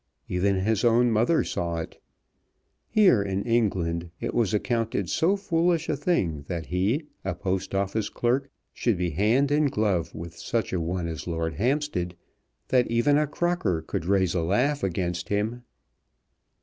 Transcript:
Even his own mother saw it. Here in England it was accounted so foolish a thing that he, a Post Office clerk, should be hand and glove with such a one as Lord Hampstead, that even a Crocker could raise a laugh against him!